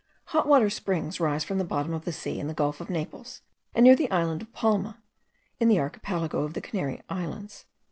Hot water springs rise from the bottom of the sea in the gulf of Naples, and near the island of Palma, in the archipelago of the Canary Islands.)